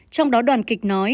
trong đó đoàn kịch nói